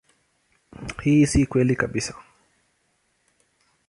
Hii si kweli kabisa.